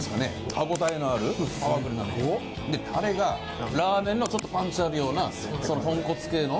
歯応えのあるパワフルな麺。でタレがラーメンのちょっとパンチあるような豚骨系の。